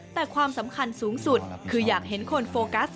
แต่ความสำคัญสูงสุดคืออยากเห็นคนโฟกัส